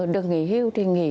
được nghỉ hưu thì nghỉ